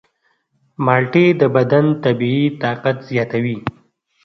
مالټې د بدن طبیعي طاقت زیاتوي.